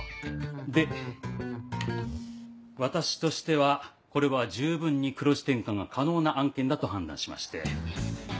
で私としてはこれは十分に黒字転換が可能な案件だと判断しまして。